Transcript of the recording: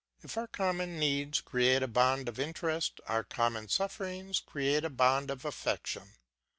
If our common needs create a bond of interest our common sufferings create a bond of affection.